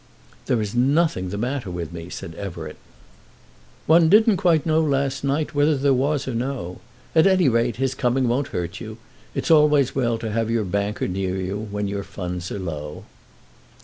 "There is nothing the matter with me," said Everett. "One didn't quite know last night whether there was or no. At any rate his coming won't hurt you. It's always well to have your banker near you, when your funds are low."